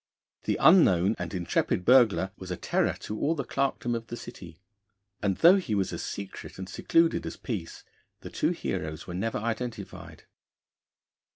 The unknown and intrepid burglar was a terror to all the clerkdom of the City, and though he was as secret and secluded as Peace, the two heroes were never identified.